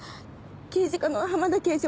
刑事課の浜田刑事